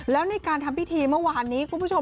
แล้วในการทำพิธีเมื่อวานนี้คุณผู้ชม